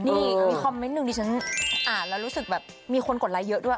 นี่มีคอมเมนต์หนึ่งที่ฉันอ่านแล้วรู้สึกแบบมีคนกดไลค์เยอะด้วย